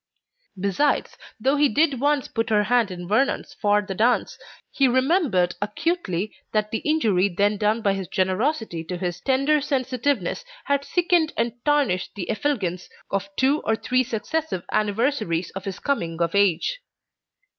Besides, though he did once put her hand in Vernon's for the dance, he remembered acutely that the injury then done by his generosity to his tender sensitiveness had sickened and tarnished the effulgence of two or three successive anniversaries of his coming of age.